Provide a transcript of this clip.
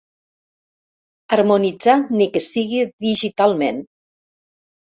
Harmonitzat, ni que sigui digitalment.